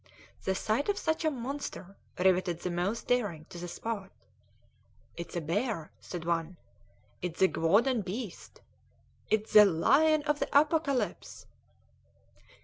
The sight of such a monster riveted the most daring to the spot. "It's a bear!" said one. "It's the Gevaudan beast!" "It's the lion of the Apocalypse!"